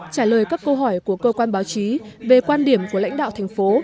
trả lời các câu hỏi của cơ quan báo chí về quan điểm của lãnh đạo thành phố